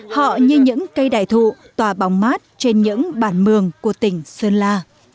họ như những cây đài thụ tòa bóng mát trên những bản mường của tỉnh sơn la